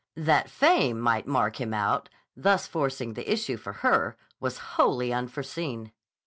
That fame might mark him' out, thus forcing the issue for her, was wholly unforeseen.